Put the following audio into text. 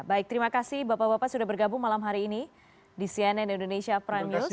baik terima kasih bapak bapak sudah bergabung malam hari ini di cnn indonesia prime news